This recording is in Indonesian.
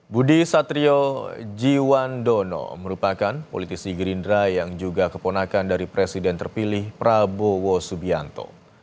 budi satrio jiwa jiwandono merupakan politisi gerindra yang juga keponakan dari presiden terpilih prabowo subianto